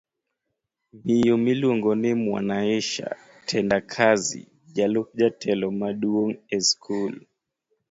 Miyo miluongo ni Mwanaisha Tendakazi jalup jatelo maduong' e skul